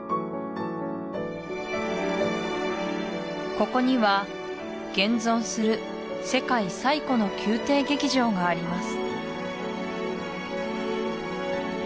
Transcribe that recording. ここには現存する世界最古の宮廷劇場があります